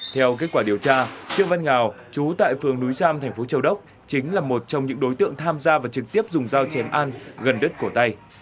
theo kết quả điều tra trương văn ngào chú tại phường núi giam thành phố châu đốc chính là một trong những đối tượng tham gia và trực tiếp dùng dao chém an gần đất cổ tay